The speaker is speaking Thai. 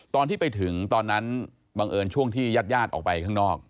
ตอนที่ไปถึงตอนนั้นบังเอิญช่วงที่ญาติญาติออกไปข้างนอก